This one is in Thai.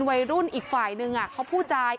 วัยรุ่นอีกฝ่ายนึงเขาพูดจาย